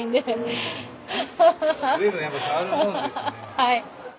はい。